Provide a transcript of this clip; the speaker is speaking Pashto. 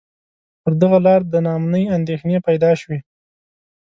پر دغه لار د نا امنۍ اندېښنې پیدا شوې.